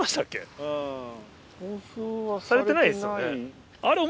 されてないですよね。